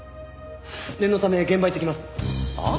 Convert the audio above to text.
念のため現場行ってきます！はあ？